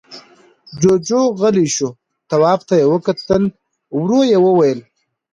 جُوجُو غلی شو، تواب ته يې وکتل، ورو يې وويل: